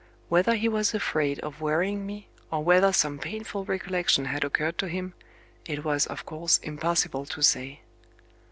Whether he was afraid of wearying me, or whether some painful recollection had occurred to him, it was of course impossible to say.